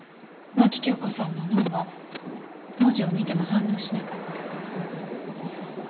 牧京子さんの脳は文字を見ても反応しなかった。